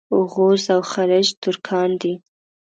اوغوز او خَلَج ترکان دي.